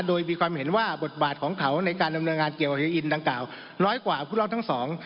โดยมีความเห็นว่าบทบาทของเขาในการดำเนินงานเกี่ยวกับเฮอร์อินต์ร้อยกว่าพุทธรรมทั้งสอง